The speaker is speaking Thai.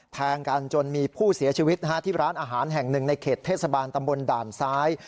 แทงกันจนมีผู้เสียชีวิตที่ร้านอาหารแห่งหนึ่งในเขตเทศบาลตำบลด่านซ้าย